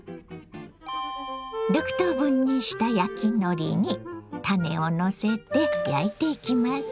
６等分にした焼きのりにたねをのせて焼いていきます。